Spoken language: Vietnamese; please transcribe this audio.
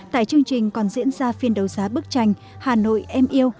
tại chương trình còn diễn ra phiên đấu giá bức tranh hà nội em yêu